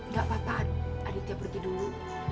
gak apa apa aditya pergi dulu